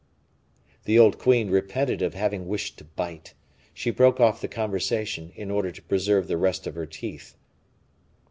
The old queen repented of having wished to bite; she broke off the conversation, in order to preserve the rest of her teeth.